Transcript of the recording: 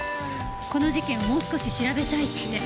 この事件をもう少し調べたいって。